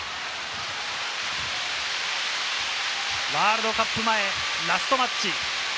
ワールドカップ前ラストマッチ。